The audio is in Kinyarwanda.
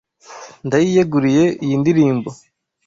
Ndayiyeguriye iyi ndirimbo.